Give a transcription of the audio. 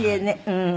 うん。